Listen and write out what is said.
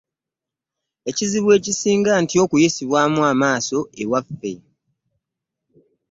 Ekizibu ekisinga ntya okuyisibwamu amaaso ewaffe.